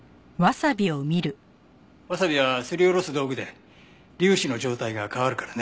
ワサビはすりおろす道具で粒子の状態が変わるからね。